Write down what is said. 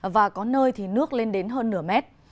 và có nơi thì nước lên đến hơn nửa mét